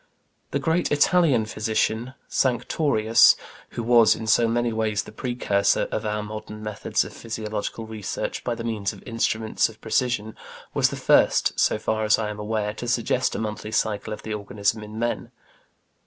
The great Italian physician, Sanctorius, who was in so many ways the precursor of our modern methods of physiological research by the means of instruments of precision, was the first, so far as I am aware, to suggest a monthly cycle of the organism in men.